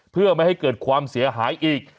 เพื่อไม่ให้เกิดความเสียหายอีก